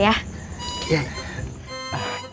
iya pak ustadz makasih ya pak ya